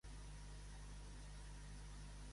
On volia retornar Tèrah?